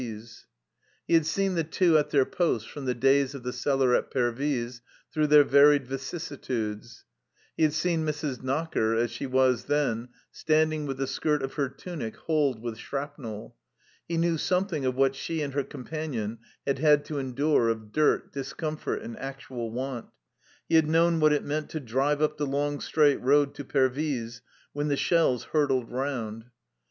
NOTE ix He had seen the Two in their posts from the days of the cellar at Pervyse through their varied vicissitudes ; he had seen Mrs. Knocker (as she was then) standing with the skirt of her tunic holed with shrapnel ; he knew something of what she and her companion had had to endure of dirt, discomfort, and actual want ; he had known what it meant to drive up the long straight road to Pervyse when the shells hurtled around.